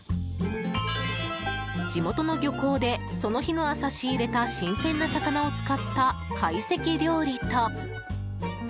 地元の漁港でその日の朝仕入れた新鮮な魚を使った会席料理と。